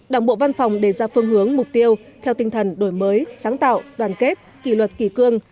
đảng bộ văn phòng đề ra phương hướng mục tiêu theo tinh thần đổi mới sáng tạo đoàn kết kỷ luật kỳ cương